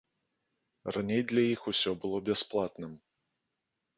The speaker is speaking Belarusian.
Раней для іх усё было бясплатным.